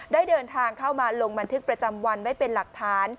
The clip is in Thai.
ได้เดินทางเข้ามาลงบันทึกประจำวันไว้เป็นหลักฐาน